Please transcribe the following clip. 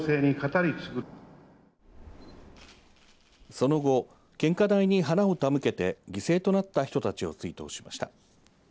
その後、献花台に花を手向けて犠牲となった人たちを追悼しました。